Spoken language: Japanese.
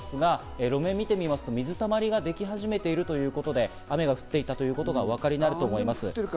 路面を見てみますと水たまりができているということで、雨が降っているということがお分かりになると思います。